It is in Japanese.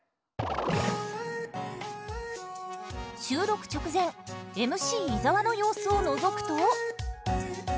収録直前ＭＣ伊沢の様子をのぞくと。